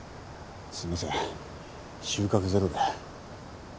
すみません収穫ゼロで。